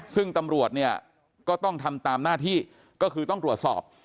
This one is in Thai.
ซึ่งตำรวจเนี่ยก็ต้องทำตามหน้าที่ก็คือต้องตรวจสอบ